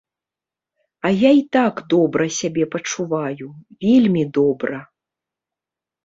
А я і так добра сябе пачуваю, вельмі добра.